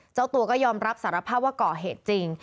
เจ้าตัวก็ยอมรับสารภาพว่าก่อเหตุจริง